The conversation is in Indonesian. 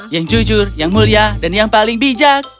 yang jujur yang mulia dan yang paling bijak